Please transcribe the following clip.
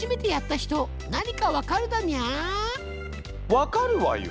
分かるわよ。